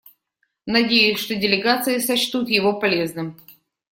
Надеюсь, что делегации сочтут его полезным.